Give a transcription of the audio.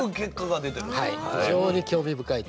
はい。